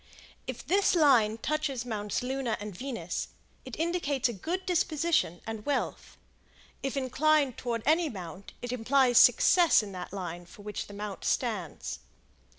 If this line touches Mounts Luna and Venus, it indicates a good disposition and wealth; if inclined toward any mount, it implies success in that line for which the mount stands.